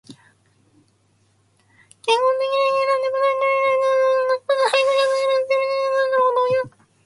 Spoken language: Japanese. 結婚適齢期になっても相手のいない男と女。また、配偶者と死別、生別した男女のことも言う。